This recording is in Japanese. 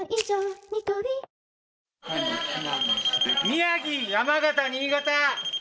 宮城、山形、新潟。